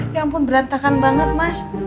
ya ampun berantakan banget mas